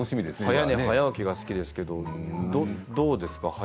早寝早起きが好きですけれども、どうですか